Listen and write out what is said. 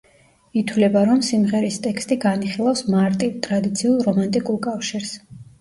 ითვლება, რომ სიმღერის ტექსტი განიხილავს მარტივ, ტრადიციულ რომანტიკულ კავშირს.